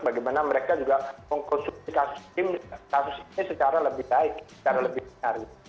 bagaimana mereka juga mengkonsultasi kasus ini secara lebih baik secara lebih benar gitu